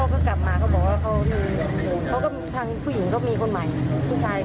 พักพ่อก็กลับมาพี่ก็บอกว่าเขาทางผู้หญิงก็มีคนใหม่ช่วยค่ะ